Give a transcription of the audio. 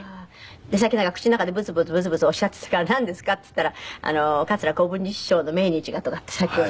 さっきなんか口の中でブツブツブツブツおっしゃっていたから「なんですか？」って言ったら「桂小文治師匠の命日が」とかってさっきおっしゃったんですけど。